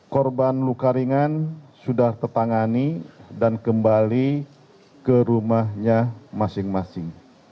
korban luka ringan sudah tertangani dan kembali ke rumahnya masing masing